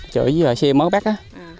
chở dừa xe mới bắt á